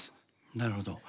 なるほど。